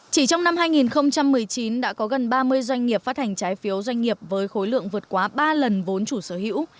chỉ trong năm hai nghìn một mươi chín đã có gần ba mươi doanh nghiệp phát hành trái phiếu doanh nghiệp với khối lượng vượt quá ba lần vốn chủ sở hữu